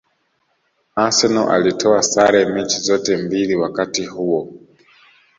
Arsenal alitoa sare mechi zote mbili wakati huo